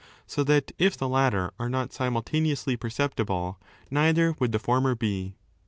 So that if the ■$ latter are not simultaneously perceptible, neither would tlie former be.